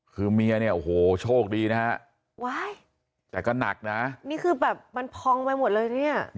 คือเมียเนี่ยโอ้โหโชคดีนะฮะว้ายแต่ก็หนักนะนี่คือแบบมันพองไปหมดเลยนะเนี่ย